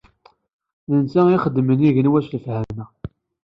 D netta i ixedmen igenwan s lefhama.